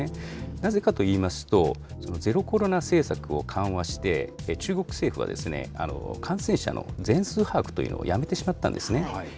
なぜかといいますと、ゼロコロナ政策を緩和して、中国政府は感染者の全数把握というのをやめてしまったんですね。